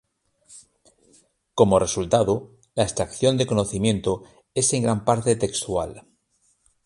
Como resultado, la extracción de conocimiento es en gran parte textual.